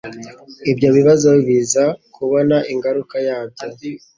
Ibyo bibazo biza kubona ingaruka yabyo.